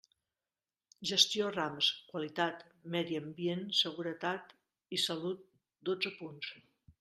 Gestió Rams, qualitat, medi ambiente, seguretat i salut: dotze punts.